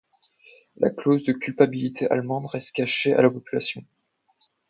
La clause de culpabilité allemande reste cachée à la population.